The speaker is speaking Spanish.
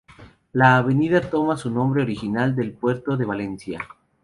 La avenida toma su nombre original del puerto de Valencia.